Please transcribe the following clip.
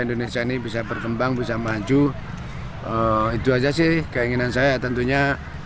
indonesia ini bisa berkembang bisa maju itu aja sih keinginan saya tentunya